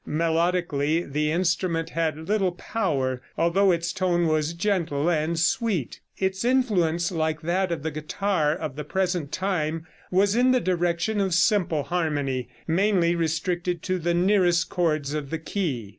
Melodically the instrument had little power, although its tone was gentle and sweet. Its influence, like that of the guitar of the present time, was in the direction of simple harmony, mainly restricted to the nearest chords of the key.